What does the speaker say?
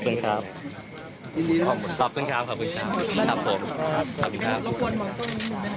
ขอบคุณครับ